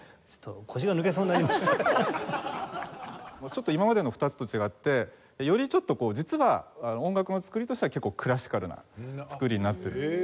ちょっと今までの２つと違ってよりちょっと実は音楽の作りとしては結構クラシカルな作りになってる。